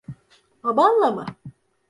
Babanla mı?